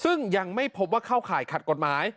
ซึ่งยังไม่พบว่าเข้าข่ายขัดกฎหมาย